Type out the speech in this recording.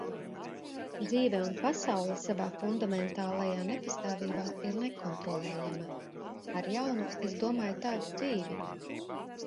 Dzīve un pasaule savā fundamentālajā nepastāvībā ir nekontrolējama. Ar "jaunu" es domāju tādu dzīvi.